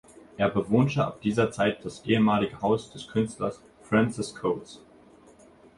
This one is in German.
Er bewohnte ab dieser Zeit das ehemalige Haus des Künstlers Francis Cotes.